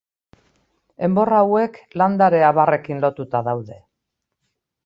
Enbor hauek landare abarrekin lotuta daude.